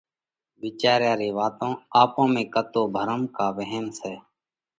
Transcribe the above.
وِيچاريا ري واتون آپون ۾ ڪتو ڀرم ڪا وهم سئہ؟